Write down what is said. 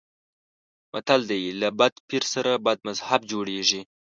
متل دی: له بد پیر سره بد مذهب جوړېږي.